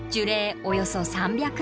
およそ３００年。